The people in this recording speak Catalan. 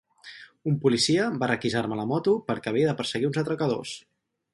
Un policia va requisar-me la moto perquè havia de perseguir uns atracadors.